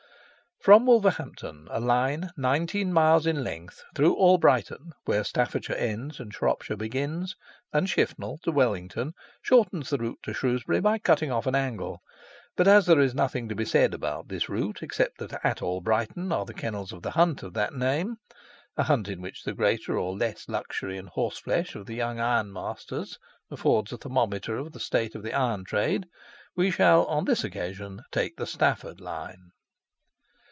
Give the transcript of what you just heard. From Wolverhampton a line nineteen miles in length, through Albrighton (where Staffordshire ends and Shropshire begins) and Shifnal to Wellington, shortens the route to Shrewsbury by cutting off an angle; but as there is nothing to be said about this route except that at Albrighton are the kennels of the hunt of that name, (a hunt in which the greater or less luxury in horseflesh of the young ironmasters affords a thermometer of the state of the iron trade,) we shall on this occasion take the Stafford line.